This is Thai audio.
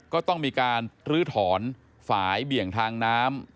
ก็ต้องมีการลื้อถอนฝ่ายเบี่ยงทางน้ำ